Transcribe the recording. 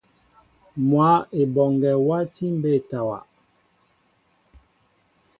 Mwă Eboŋgue wati mbétawa.